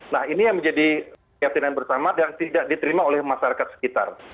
nah ini yang menjadi kejadian yang bersamaan dan tidak diterima oleh masyarakat sekitar